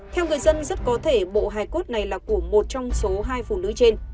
theo người dân rất có thể bộ hài cốt này là của một trong số hai phụ nữ trên